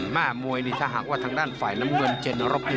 แม่มวยนี่ถ้าหากว่าทางด้านฝ่ายน้ำเงินเจนรบนี่